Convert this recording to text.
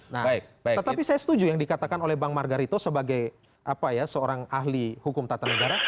nah tetapi saya setuju yang dikatakan oleh bang margarito sebagai seorang ahli hukum tata negara